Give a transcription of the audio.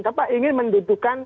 siapa ingin mendudukan